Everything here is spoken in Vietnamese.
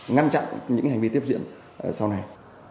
ngăn chặn những hành vi tiếp diễn sau này